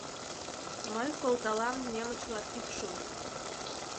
Мый колталам немечла пӱкшым